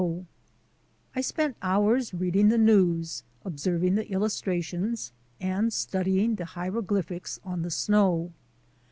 WINTER MOUNTAINEERING 49 I spent hours reading the news, observing the illustrations, and studying the hieroglyphics on the snow.